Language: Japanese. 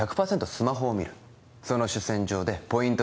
スマホを見るその主戦場でポイント